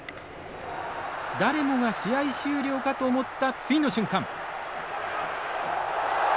誰もが試合終了かと思った次の瞬間。